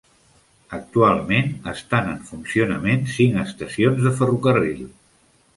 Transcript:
Actualment estan en funcionament cinc estacions de ferrocarril.